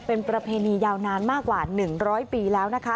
เป็นประเพณียาวนานมากกว่า๑๐๐ปีแล้วนะคะ